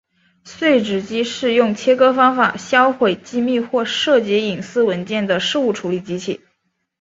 碎纸机是用切割方法销毁机密或者牵涉隐私文件材料的事务机器。